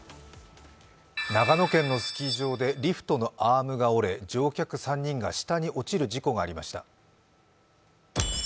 長野県のスキー場でリフトのアームが折れ、乗客３人が下に落ちる事故がありました。